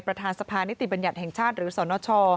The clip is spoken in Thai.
ประธานสภานิติบัญญัติแห่งชาติหรือสนช